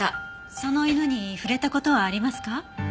その犬に触れた事はありますか？